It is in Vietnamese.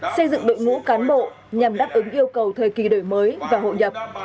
xây dựng đội ngũ cán bộ nhằm đáp ứng yêu cầu thời kỳ đổi mới và hội nhập